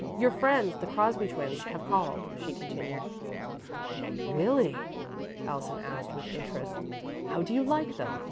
"Your friends, the Crosby twins, have called," she continued. "Really?" Allison asked, with interest. "How do you like them?"